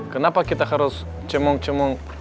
kenapa kita harus cemung cemung